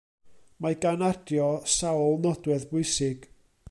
Mae gan adio sawl nodwedd bwysig.